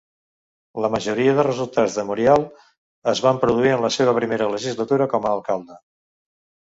La majoria de resultats de Morial es van produir en la seva primera legislatura com a alcalde.